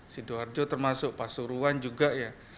sidoarjo termasuk pasuruan juga ya